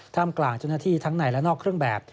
กลางเจ้าหน้าที่ทั้งในและนอกเครื่องแบบ